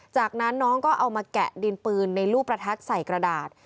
จากนั้นน้องก็เอามาแกะดินปืนในลูกประทัดใส่กระดาษ